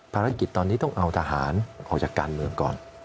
ภารกิจตอนนี้ต้องเอาทหารออกจากการเมืองก่อน